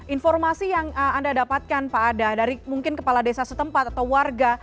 informasi yang anda dapatkan pak ada dari mungkin kepala desa setempat atau warga